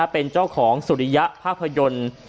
เป็นเจ้าของสุริยะภาพยนตร์